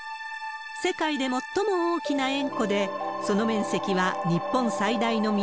世界で最も大きな塩湖で、その面積は日本最大の湖、